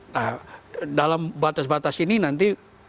nah dalam batas batas ini nanti